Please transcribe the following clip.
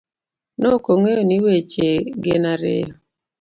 Nokong'eyo ni weche gin ariyo;